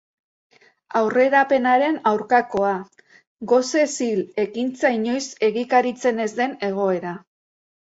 Aurrerapenaren aurkakoa: gosez hil, ekintza inoiz egikaritzen ez den egoera.